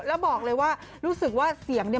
แล้วบอกเลยว่ารู้สึกว่าเสียง